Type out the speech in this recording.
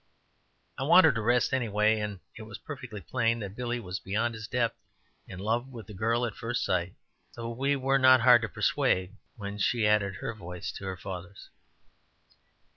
I wanted a rest anyway, and it was perfectly plain that Billy was beyond his depth in love with the girl at first sight; so we were not hard to persuade when she added her voice to her father's.